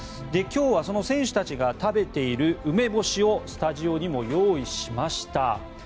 今日は選手たちが食べている梅干しをスタジオにも用意しました。